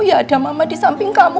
ya ada mama disamping kamu